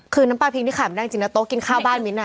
คือน้ำปลาพิงที่ขายไม่ได้จริงนะโต๊ะกินข้าวบ้านมิ้น